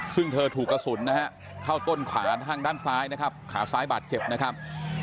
ซึ่งเธอถูกกระสุนนะฮะเข้าต้นขาทางด้านซ้ายนะครับ